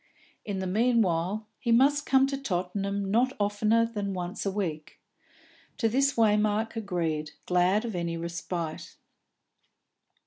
In the meanwhile he must come to Tottenham not oftener than once a week. To this Waymark agreed, glad of any respite.